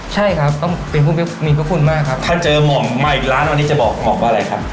ใช่ครับต้องเป็นผู้มีพระคุณมากครับถ้าเจอหมวกมาอีกร้านวันนี้จะบอกหมอกว่าอะไรครับ